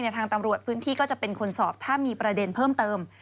ทางตำรวจพื้นที่ก็จะเป็นคนสอบถ้ามีประเด็นเพิ่มเติม